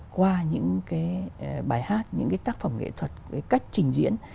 qua những bài hát những tác phẩm nghệ thuật cách trình diễn